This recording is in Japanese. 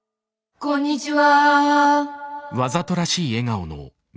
こんにちは。